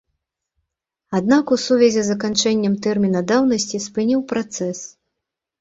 Аднак у сувязі з заканчэннем тэрміна даўнасці спыніў працэс.